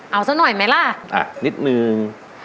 เอาซะหน่อยไหมล่ะนิดนึง